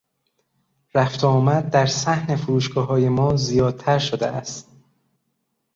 رفت و آمد در صحن فروشگاههای ما زیادتر شده است.